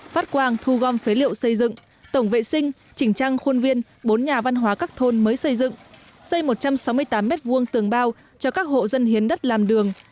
phát quang thu gom phế liệu xây dựng tổng vệ sinh chỉnh trang khuôn viên bốn nhà văn hóa các thôn mới xây dựng xây một trăm sáu mươi tám m hai tường bao cho các hộ dân hiến đất làm đường